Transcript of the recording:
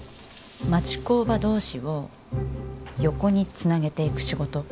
町工場同士を横につなげていく仕事。